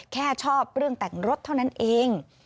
แค่ชอบเรื่องแต่งรถเท่านั้นเอง